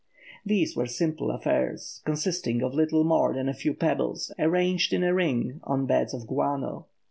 These were simple affairs, consisting of little more than a few pebbles arranged in a ring on beds of guano.